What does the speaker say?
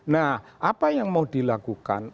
nah apa yang mau dilakukan